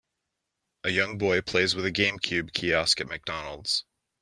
A young boy plays with a GameCube kiosk at McDonald 's.